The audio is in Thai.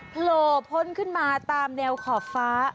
โผล่พ้นขึ้นมาตามแนวขอบฟ้า